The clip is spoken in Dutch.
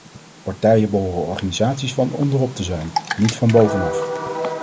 Partijen behoren organisaties van onderop te zijn, niet van bovenaf.